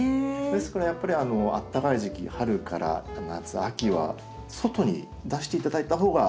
ですからやっぱりあったかい時期春から夏秋は外に出して頂いた方が。